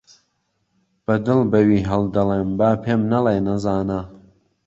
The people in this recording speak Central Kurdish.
بە دڵ بە وی هەڵدەڵێم با پێم نەڵێ نەزانە